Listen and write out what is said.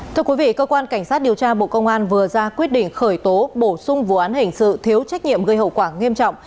thưa quý vị cơ quan cảnh sát điều tra bộ công an vừa ra quyết định khởi tố bổ sung vụ án hình sự thiếu trách nhiệm gây hậu quả nghiêm trọng